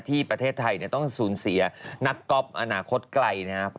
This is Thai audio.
ที่ประเทศไทยต้องสูญเสียนักก๊อฟอนาคตไกลนะครับ